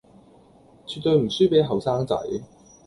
絕對唔輸畀後生仔